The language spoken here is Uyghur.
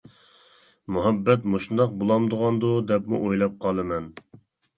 مۇھەببەت مۇشۇنداق بولامدىغاندۇ دەپمۇ ئويلاپ قالىمەن.